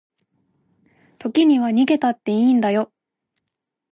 時には逃げたっていいんだよ